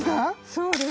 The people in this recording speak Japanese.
そうです。